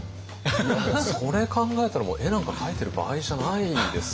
いやもうそれ考えたら絵なんか描いてる場合じゃないですよね。